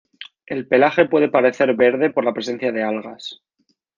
El pelaje puede parecer verde por la presencia de algas.